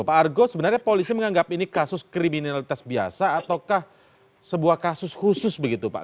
pak argo sebenarnya polisi menganggap ini kasus kriminalitas biasa ataukah sebuah kasus khusus begitu pak